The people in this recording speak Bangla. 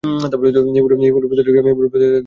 হিমুর প্রতি রয়েছে তার অগাধ বিশ্বাস।